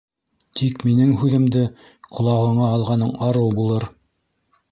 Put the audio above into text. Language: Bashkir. Тик минең һүҙемде ҡолағыңа алғаның арыу булыр.